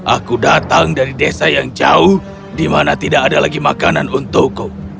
aku datang dari desa yang jauh di mana tidak ada lagi makanan untukku